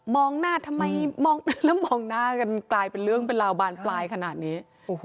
หน้าทำไมมองแล้วมองหน้ากันกลายเป็นเรื่องเป็นราวบานปลายขนาดนี้